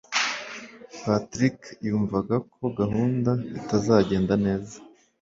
patrick yumvaga ko gahunda itazagenda neza